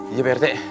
iya pak rete